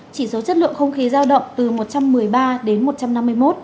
chỉ số chất lượng không khí giao động từ một trăm một mươi ba đến một trăm năm mươi một